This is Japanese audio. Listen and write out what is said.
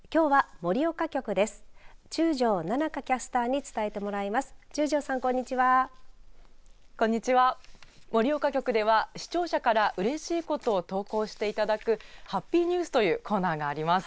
盛岡局では視聴者からうれしいことを投稿していただくはっぴーニュースというコーナーがあります。